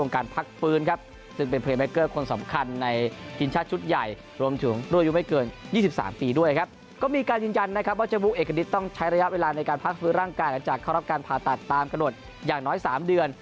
การพักฟื้อร่างกายหรือจากเข้ารับการผ่าตัดตามกระหนดอย่างน้อย๓เดือน